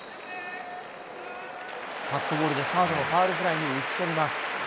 カットボールで、サードのファウルフライに打ち取ります。